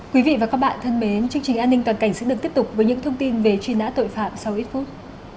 quý vị và các bạn thân mến chương trình an ninh toàn cảnh sẽ được tiếp tục với những thông tin về truy nã tội phạm sau ít phút